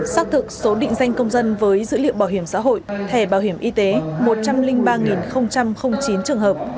xác thực số định danh công dân với dữ liệu bảo hiểm xã hội thẻ bảo hiểm y tế một trăm linh ba chín trường hợp